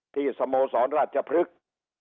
สโมสรราชพฤกษ์